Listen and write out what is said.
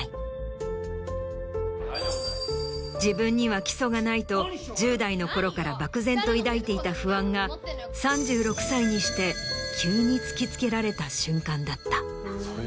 はい思うぐらい。と１０代のころから漠然と抱いていた不安が３６歳にして急に突きつけられた瞬間だった。